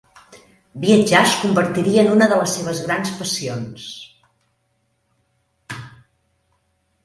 Viatjar es convertiria en una de les seves grans passions.